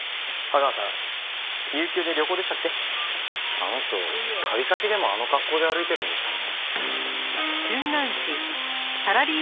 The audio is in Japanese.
あの人旅先でもあの格好で歩いてるんですかね。